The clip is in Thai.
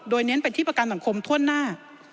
โดยเน้นเป็นที่ประกันสังคมทั่วหน้า